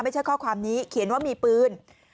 ไม่ใช่ข้อความนี้เขียนว่ามีปืน